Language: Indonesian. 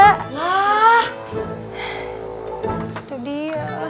hah itu dia